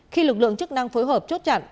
khi lực lượng chức năng phối hợp chốt chặn